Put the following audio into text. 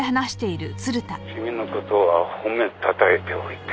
「君の事は褒めたたえておいた」